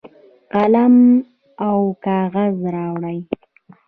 قلم او کاغذ راوړي.